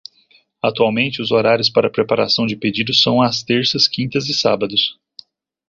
Atualmente, os horários para preparação de pedidos são às terças, quintas e sábados.